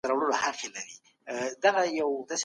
تسلیمي کمزوري نه ده.